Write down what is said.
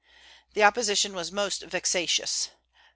The opposition was most vexatious.